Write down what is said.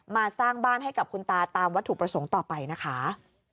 สร้างบ้านให้กับคุณตาตามวัตถุประสงค์ต่อไปนะคะ